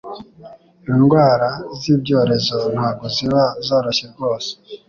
Indwara z'ibyorezo ntago ziba zoroshye rwose .